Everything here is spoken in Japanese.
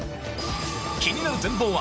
気になる全貌は